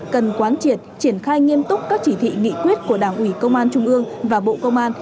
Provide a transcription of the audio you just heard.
cần quán triệt triển khai nghiêm túc các chỉ thị nghị quyết của đảng ủy công an trung ương và bộ công an